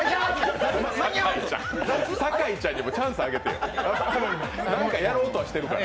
酒井ちゃんにもチャンスあげてよ、何かやろうとしてたから。